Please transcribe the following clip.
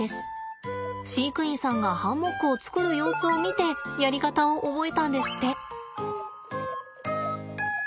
飼育員さんがハンモックを作る様子を見てやり方を覚えたんですって。